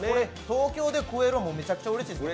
東京で食えるの、めちゃくちゃうれしいです。